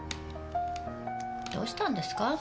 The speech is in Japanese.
どうしたんですか？